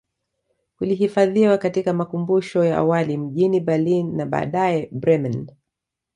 Kilihifadhiwa katika makumbusho ya awali mjini Berlin na baadae Bremen